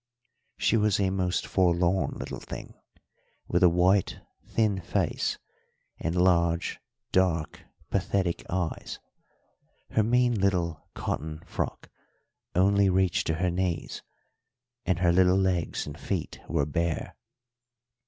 She was a most forlorn little thing, with a white, thin face and large, dark, pathetic eyes. Her mean little cotton frock only reached to her knees, and her little legs and feet were bare.